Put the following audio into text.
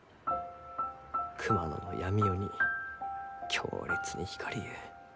熊野の闇夜に強烈に光りゆう。